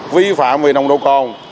vi phạm vì nồng độ con